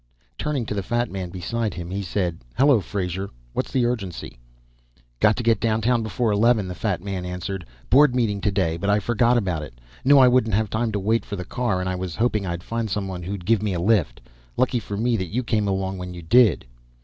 Turning to the fat man beside him he said, "Hello, Frazer. What's the urgency?" "Got to get downtown before eleven," the fat man answered. "Board meeting today, but I forgot about it. Knew I wouldn't have time to wait for the car, and I was hoping I'd find someone who'd give me a lift. Lucky for me that you came along when you did."